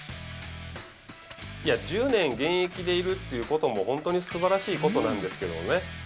１０年現役でいるということも本当にすばらしいことなんですけどもね。